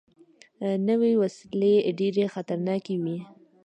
نوې وسلې ډېرې خطرناکې وي